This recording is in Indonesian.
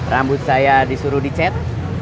rambut saya disuruh dicet